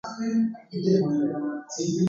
Ahechasete piko.